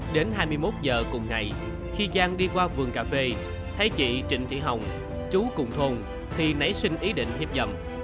đến hai mươi một giờ cùng ngày khi giang đi qua vườn cà phê thấy chị trịnh thị hồng trú cùng thôn thì nấy xin ý định hiếp dầm